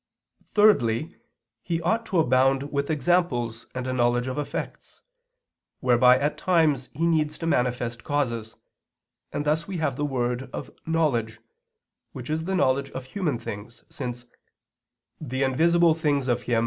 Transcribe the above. Thirdly, he ought to abound with examples and a knowledge of effects, whereby at times he needs to manifest causes; and thus we have the word of knowledge, which is the knowledge of human things, since "the invisible things of Him